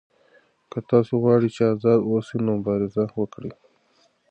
که تاسو غواړئ چې آزاد اوسئ نو مبارزه وکړئ.